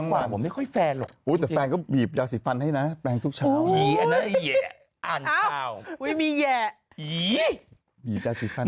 ของผมไม่ค่อยแฟนหรอกแต่แฟนก็บีบย่าสีฟันได้นะแปลงทุกวันที่จะผ่าน